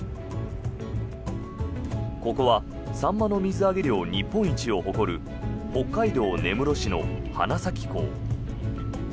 ここはサンマの水揚げ量日本一を誇る北海道根室市の花咲港。